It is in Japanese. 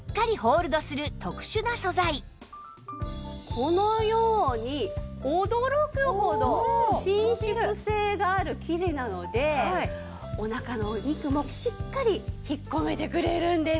このように驚くほど伸縮性がある生地なのでおなかのお肉もしっかり引っ込めてくれるんです。